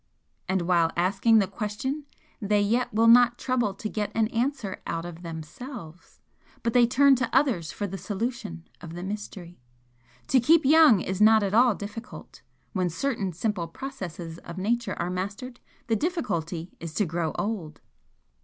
And while asking the question they yet will not trouble to get an answer OUT OF THEMSELVES, but they turn to others for the solution of the mystery. To keep young is not at all difficult; when certain simple processes of Nature are mastered the difficulty is to grow old!"